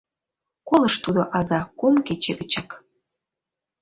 Колыш тудо аза кум кече гычак...